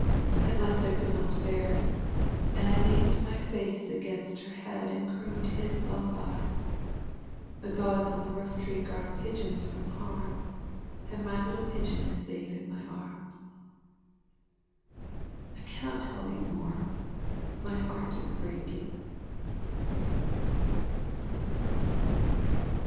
At last I could not bear it, and I leaned my face against her head and crooned His lullaby: "The Gods on the rooftree guard pigeons from harm And my little pigeon is safe in my arms." I cannot tell thee more. My heart is breaking.